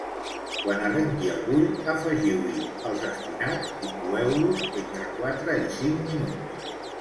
Quan arrenqui el bull, afegiu-hi els espinacs i coeu-los entre quatre i cinc minuts.